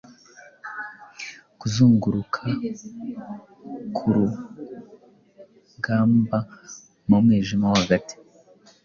Kuzunguruka ku rugambamu mwijima wo hagati